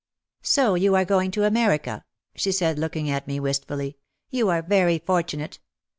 "So you are going to America," she said, looking at me wistfully, "you are very fortunate.